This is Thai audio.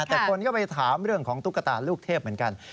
แต่คนก็ไปถามเรื่องของตุ๊กตาลูกเทพเหมือนกัน